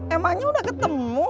emangnya udah ketemu